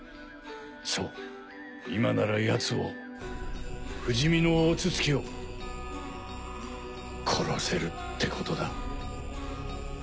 そう今ならヤツを不死身の大筒木を殺せるってことだ。